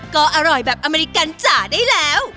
ก็อร่อยแบบอเมริกันจ๋าได้แล้ว